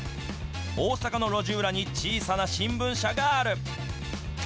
大阪の路地裏に小さな新聞社がある。